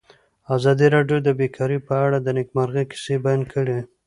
ازادي راډیو د بیکاري په اړه د نېکمرغۍ کیسې بیان کړې.